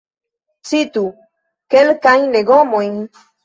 Citu kelkajn legomojn?